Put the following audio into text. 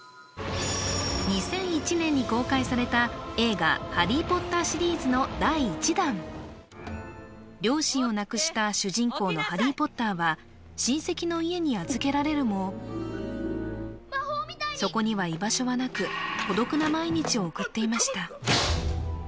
２００１年に公開された映画「ハリー・ポッター」シリーズの第１弾両親を亡くした主人公のハリー・ポッターは親戚の家に預けられるもそこには居場所はなく孤独な毎日を送っていました